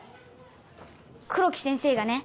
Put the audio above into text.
黒木先生がね